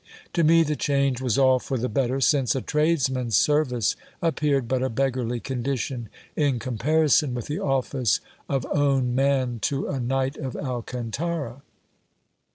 To me the change was all for the better, since a tradesman's service appeared but a beggarly condition in com parison with the office of own man to a knight of Alcantara.